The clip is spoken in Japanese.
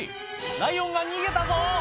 ライオンが逃げたぞ！